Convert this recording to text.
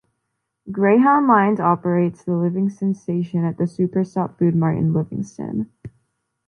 Greyhound Lines operates the Livingston Station at the Super Stop Food Mart in Livingston.